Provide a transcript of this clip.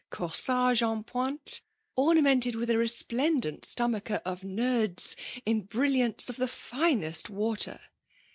Corsage en pointe, ornamented with a resplendent stomacher of noeuds, in brilliants of the finest water.